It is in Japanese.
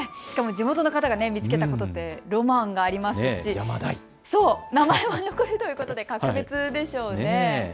しかも地元の方が見つけたということでロマンがありますし名前も残るということで格別でしょうね。